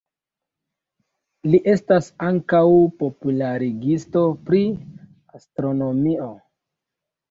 Li estas ankaŭ popularigisto pri astronomio.